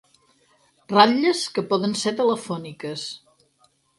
Ratlles que poden ser telefòniques.